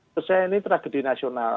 menurut saya ini tragedi nasional